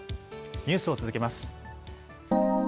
ニュースを続けます。